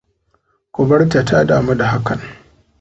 Ku barta ta damu da hakan.